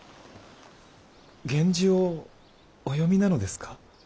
源氏をお読みなのですか？